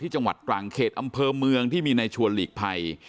จังหวัดตรังเขตอำเภอเมืองที่มีในชวนหลีกภัย